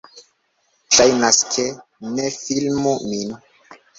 Ŝajnas, ke... - Ne filmu nin!